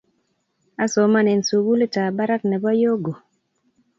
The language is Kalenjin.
Asomane sukulit ab barak nebo Hyogo